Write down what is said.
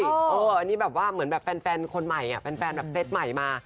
อันนี้แบบว่าเหมือนแบบแฟนคนใหม่แฟนแบบเซตใหม่มา